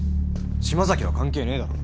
島崎は関係ねえだろ。